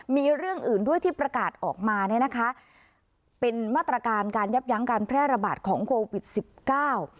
มีเรื่องอื่นด้วยที่ประกาศออกมาเนี่ยนะคะเป็นมาตรการการยับยั้งการแพร่ระบาดของโควิดสิบเก้า